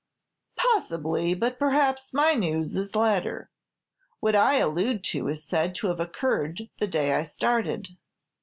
"Possibly; but perhaps my news is later. What I allude to is said to have occurred the day I started."